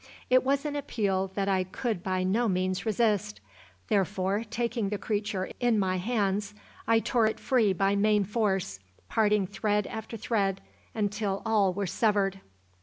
It was an appeal that I could by no means resist; therefore, taking the creature in my hands, I tore it free by main force, parting thread after thread until all were severed.